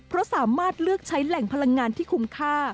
เพราะสามารถเลือกใช้แหล่งพลังงานที่คุ้มค่า